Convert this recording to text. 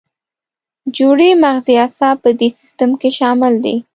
جوړې مغزي اعصاب په دې سیستم کې شامل دي.